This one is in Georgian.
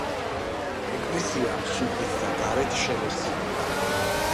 ეკლესია შიგნით და გარეთ შელესილია.